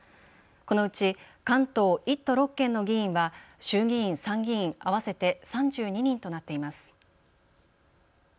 このうち関東１都６県の議員は衆議院・参議院合わせて３２人となっています。